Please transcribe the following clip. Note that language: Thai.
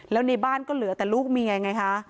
แล้วในบ้านก็เหลือแต่ลูกเมียไงคะ